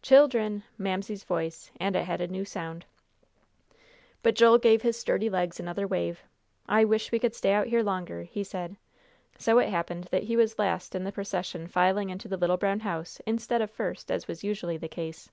"Chil dren!" Mamsie's voice, and it had a new sound. But Joel gave his sturdy legs another wave. "I wish we could stay out here longer," he said. So it happened that he was last in the procession filing into the little brown house, instead of first, as was usually the case.